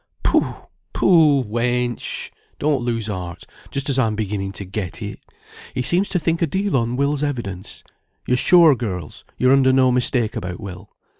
"Pooh! pooh! wench; don't lose heart, just as I'm beginning to get it. He seems to think a deal on Will's evidence. You're sure, girls, you're under no mistake about Will?"